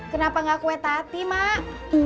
kenapa gak kue tati mak